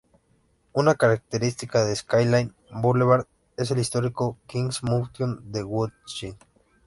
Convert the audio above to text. Una característica de Skyline Boulevard es el histórico Kings Mountain en Woodside.